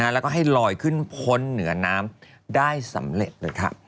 แล้วก็ให้ลอยขึ้นพ้นเหนือน้ำได้สำเร็จเลยค่ะ